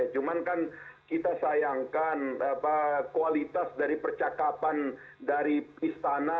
cuman kan kita sayangkan kualitas dari percakapan dari istana